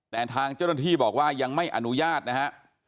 แต่ทางเจ้าหน้าที่บอกว่ายังไม่อนุญาตนะฮะ